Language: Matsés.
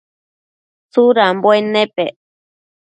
Tsudambuen nepec ?